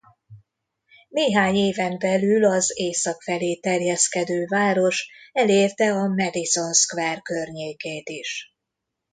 Néhány éven belül az észak felé terjeszkedő város elérte a Madison Square környékét is.